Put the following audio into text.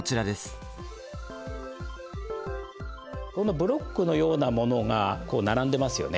ブロックのようなものが並んでますよね。